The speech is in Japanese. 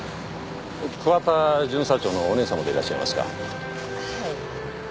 桑田巡査長のお姉さまでいらっしゃいますか？